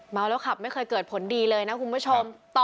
เมาแล้วขับไม่เคยเกิดผลดีเลยนะคุณผู้ชม